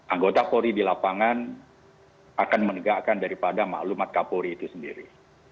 anggota polri di lapangan akan menegakkan daripada maklumat kapolri itu sendiri